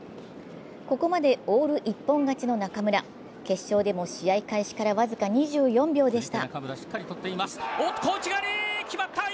ここまでオール一本勝ちの中村、決勝でも試合開始から僅か２４秒でした。